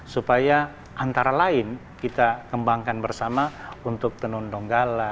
supaya antara lain kita kembangkan bersama untuk tenun donggala